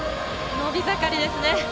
伸び盛りですね。